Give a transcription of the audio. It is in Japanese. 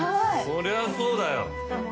そりゃそうだよ。